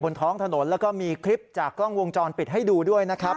ท้องถนนแล้วก็มีคลิปจากกล้องวงจรปิดให้ดูด้วยนะครับ